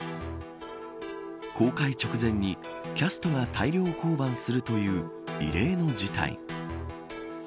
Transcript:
公開直前にキャストが大量降板するという異例の事態。